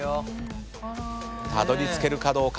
たどり着けるかどうか。